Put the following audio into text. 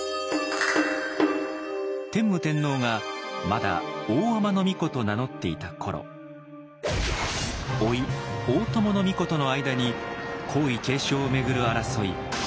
天武天皇がまだ大海人皇子と名乗っていた頃甥大友皇子との間に皇位継承を巡る争い